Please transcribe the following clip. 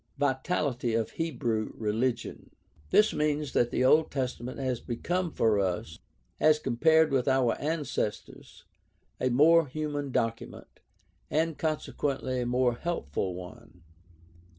Vitality of Hebrew religion. — This means that the Old Testament has become for us, as compared with our ancestors, a more human document, and consequently a more helpful one.